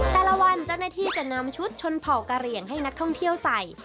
แต่ละวันเจ้าหน้าที่จะนำชุดชนเผ่ากะเหลี่ยงให้นักท่องเที่ยวใส่